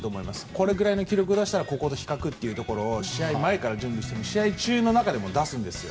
これくらいの記録を出したらこことの比較ということを試合前から準備してて試合中でも出すんですよ。